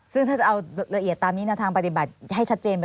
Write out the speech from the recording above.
ซึ่งถ้าจะเอาละเอียดตามนี้แนวทางปฏิบัติให้ชัดเจนไป